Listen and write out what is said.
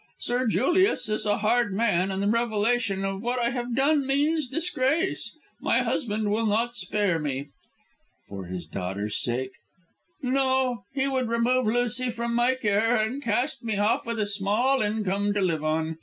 Sir Julius is a hard man, and the revelation of what I have done means disgrace. My husband will not spare me." "For his daughter's sake?" "No. He would remove Lucy from my care and cast me off with a small income to live on.